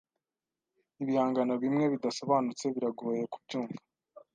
Ibihangano bimwe bidasobanutse biragoye kubyumva.